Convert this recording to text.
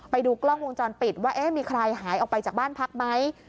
ไปดูกล้องวงจรปิดว่ามีใครหายออกไปจากบ้านพักไหม